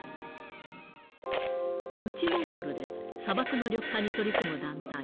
内モンゴルで、砂漠の緑化に取り組む団体。